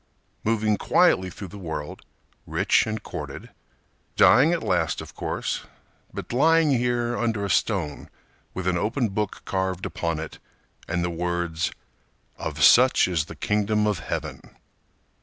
Moving quietly through the world, rich and courted. Dying at last, of course, but lying here Under a stone with an open book carved upon it And the words _"Of such is the Kingdom of Heaven."